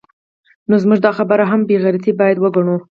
نو زموږ دا خبره هم بې غیرتي باید وګڼو